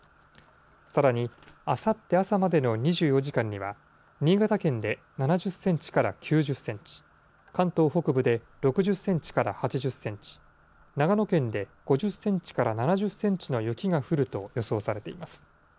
さらに、あさって朝までの２４時間には、新潟県で７０センチから９０センチ、関東北部で６０センチから８０センチ、長野県で５０センチから７０センチの雪が降ると予想されています。